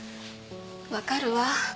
分かるわ。